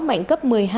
mạnh cấp một mươi hai